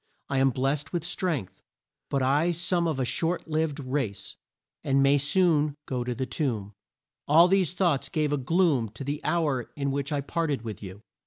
I am blessed with strength, but I some of a short lived race, and may soon go to the tomb. All these thoughts gave a gloom to the hour in which I parted with you."